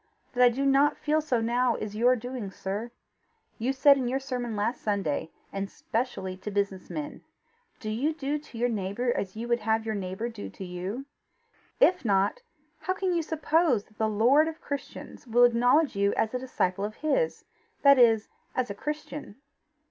That I do not feel so now, is your doing, sir. You said in your sermon last Sunday, and specially to business men: 'Do you do to your neighbour as you would have your neighbour do to you? If not, how can you suppose that the lord of Christians will acknowledge you as a disciple of his, that is, as a Christian?